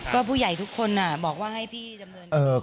ก็ผู้ใหญ่ทุกคนบอกว่าให้พี่ดำเนินคดี